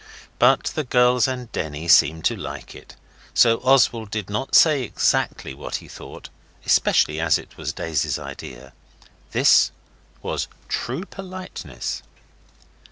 But the girls and Denny seemed to like it, so Oswald did not say exactly what he thought, especially as it was Daisy's idea. This was true politeness.